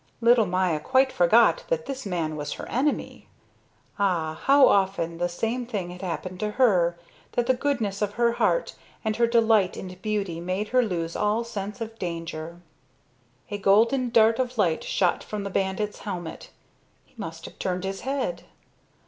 Little Maya quite forgot that this man was her enemy. Ah, how often the same thing had happened to her that the goodness of her heart and her delight in beauty made her lose all sense of danger. A golden dart of light shot from the bandit's helmet. He must have turned his head.